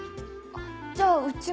じゃあうちも。